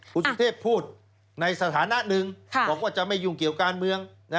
คุณสุเทพพูดในสถานะหนึ่งบอกว่าจะไม่ยุ่งเกี่ยวการเมือง